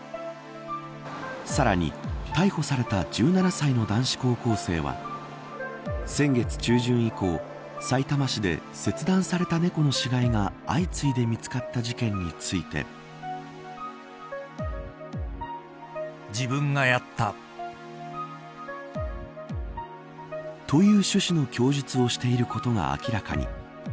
さらに、逮捕された１７歳の男子高校生は先月中旬以降、さいたま市で切断された猫の死骸が相次いで見つかった事件について。という趣旨の供述をしていることが明らかに。